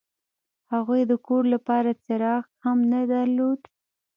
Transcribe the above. هغوی د کور لپاره څراغ هم نه درلود